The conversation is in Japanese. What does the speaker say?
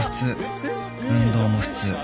運動も普通